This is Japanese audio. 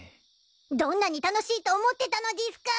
どんなに楽しいと思ってたのでぃすか！